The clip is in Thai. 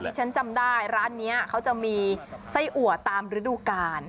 ที่ฉันจำได้ร้านนี้เขาจะมีไส้อัวตามฤดูกาล